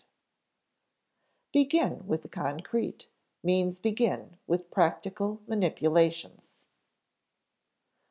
[Sidenote: Begin with the concrete means begin with practical manipulations] 1.